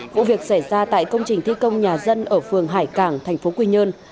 vụ việc xảy ra tại công trình thi công nhà dân ở phường hải cảng thành phố quy nhơn